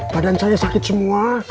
badan saya sakit semua